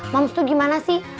mams tuh gimana sih